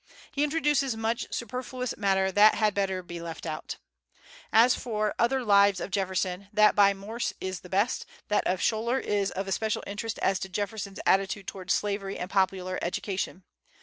He introduces much superfluous matter that had better be left out. As for the other Lives of Jefferson, that by Morse is the best; that of Schouler is of especial interest as to Jefferson's attitude toward slavery and popular education.